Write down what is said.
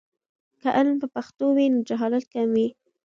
که علم په پښتو وي، نو جهالت کم وي.